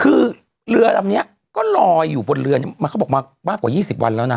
คือเรือแบบเนี้ยก็ลอยอยู่บนเรือนี่เขาบอกมาบ้านกว่ายี่สิบวันแล้วนะ